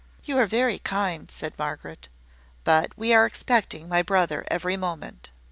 "You are very kind," said Margaret; "but we are expecting my brother every moment."